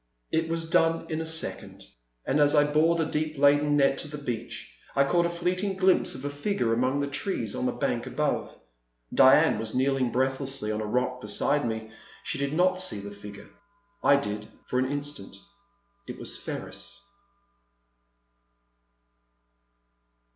It was done in a second ; and, as I bore the deep laden net to the beach, I caught a fleeting glimpse of a figure among the trees on the bank above. Diane was kneeling breathlessly on a rock beside me ; she did not see the figure. I did, for an instant. It was Ferris.